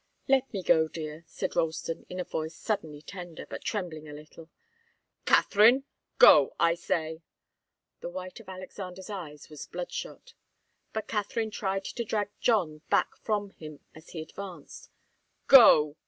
"Let me go, dear," said Ralston, in a voice suddenly tender, but trembling a little. "Katharine! Go, I say!" The white of Alexander's eyes was bloodshot. But Katharine tried to drag John back from him as he advanced. "Go!